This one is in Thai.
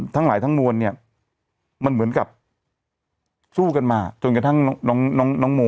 ทั้งหลายทั้งมวลเนี่ยมันเหมือนกับสู้กันมาจนกระทั่งน้องน้องโม